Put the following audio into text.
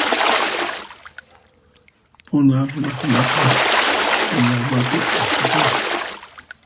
Puna runakunaqa, llamapi astakunku.